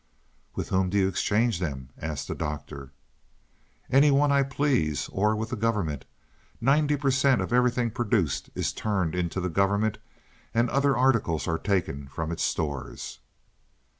"With whom do you exchange them?" asked the Doctor. "Any one I please or with the government. Ninety per cent of everything produced is turned in to the government and other articles are taken from its stores."